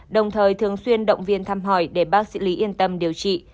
đồng thời thường xuyên động viên thăm hỏi để bác sĩ lý yên tâm điều trị